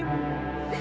ibu saya gak ngerti